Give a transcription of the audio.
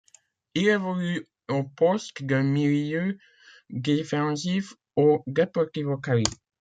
Il évolue au poste de milieu défensif au Deportivo Cali.